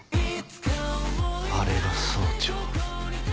あれが総長。